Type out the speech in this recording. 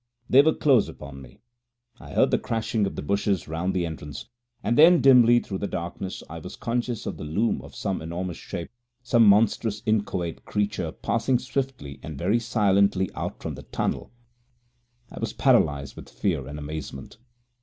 They were close upon me. I heard the crashing of the bushes round the entrance, and then dimly through the darkness I was conscious of the loom of some enormous shape, some monstrous inchoate creature, passing swiftly and very silently out from the tunnel. I was paralysed with fear and amazement.